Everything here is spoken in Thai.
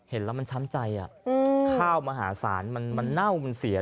เห็นแล้วมันช้ำใจข้าวมหาศาลมันเน่ามันเสีย